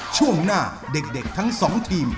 ช่วงหน้าเด็กทั้งสองทีม